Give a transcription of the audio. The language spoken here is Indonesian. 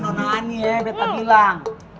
lo udah ngerti aja yang betta bilang